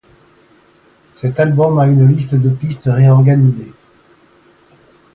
Cet album a une liste de pistes réorganisées.